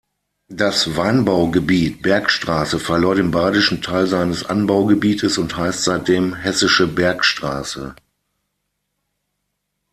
Das "Weinbaugebiet Bergstraße" verlor den badischen Teil seines Anbaugebietes und heißt seitdem "Hessische Bergstraße".